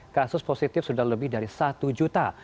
kasus positif sudah lebih dari satu juta